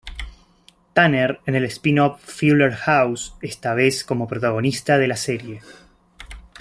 Tanner en el spinoff "Fuller House", esta vez como protagonista de la serie.